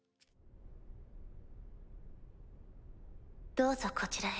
どうぞこちらへ。